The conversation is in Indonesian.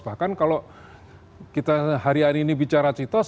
bahkan kalau kita hari hari ini bicara citos